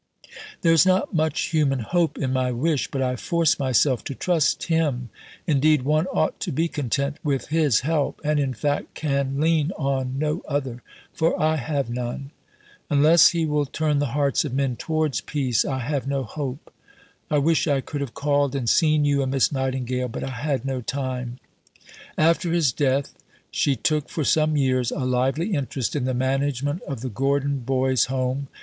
There is not much human hope in my wish, but I force myself to trust Him. Indeed one ought to be content with His help, and in fact can lean on no other, for I have none. Unless He will turn the hearts of men towards peace, I have no hope. I wish I could have called and seen you and Miss Nightingale, but I had no time." After his death, she took for some years a lively interest in the management of the Gordon Boys' Home.